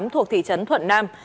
thuộc thị trấn thuận nam